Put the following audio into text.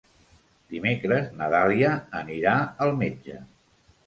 Dimecres na Dàlia anirà al metge.